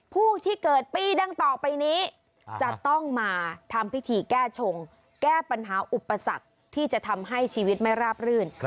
ผู้ที่เกิดปีดังต่อไปนี้จะต้องมาทำพิธีแก้ชงแก้ปัญหาอุปสรรคที่จะทำให้ชีวิตไม่ราบรื่น